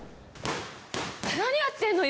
何やってんの？